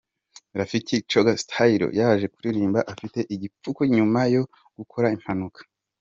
Rafiki Coga Style yaje kuririmba afite igipfuko nyuma yo gukora impanuka.